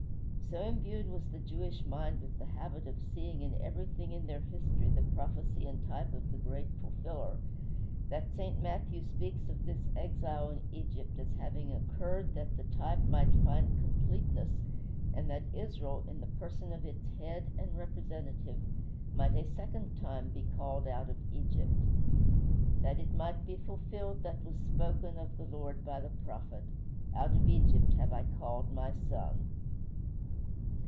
So imbued was the Jewish mind with the habit of seeing in everything in their history the prophecy and type of the great Fulfiller, that St. Matthew speaks of this exile in Egypt as having occurred that the type might find completeness, and that Israel, in the person of its Head and Representative, might a second time be called out of Egypt: "That it might be fulfilled that was spoken of the Lord by the prophet, "Out of Egypt have I called my son."